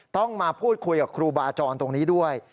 ต้องมาพูดคุยกับครูบาจรตรงนี้ด้วย